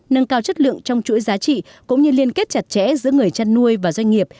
nâng cao chất lượng trong chuỗi giá trị cũng như liên kết chặt chẽ giữa người chăn nuôi và doanh nghiệp